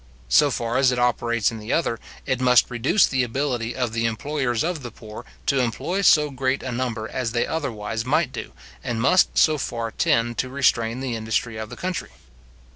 So far as it operates in the other, it must reduce the ability of the employers of the poor, to employ so great a number as they otherwise might do, and must so far tend to restrain the industry of the country.